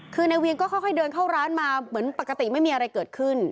คือในเวียงก็ค่อยเดินเข้าร้านมาเหมือนปกติไม่มีอะไรเกิดขึ้น